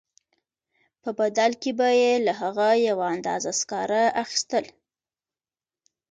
په بدل کې به یې له هغه یوه اندازه سکاره اخیستل